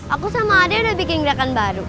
aku sama ade udah bikin gerakan baru